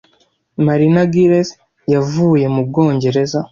Marina Giles yavuye mu Bwongereza